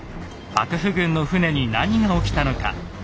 幕府軍の船に何が起きたのか。